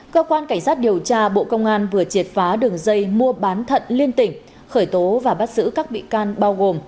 cơ quan cảnh sát điều tra bộ công an vừa triệt phá đường dây mua bán thận liên tỉnh khởi tố và bắt giữ các bị can bao gồm